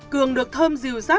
cường được thơm dìu dắp